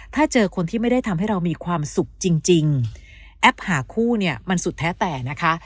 ถ้าเจอคนที่ไม่ได้ทำให้เรามีความสุขจริงแอปหาคู่เนี่ยมันสุดแท้แต่นะคะ